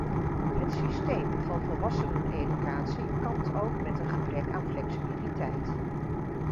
Het systeem van volwasseneneducatie kampt ook met een gebrek aan flexibiliteit.